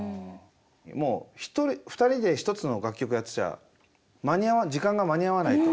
もう２人で１つの楽曲やってちゃ時間が間に合わないと。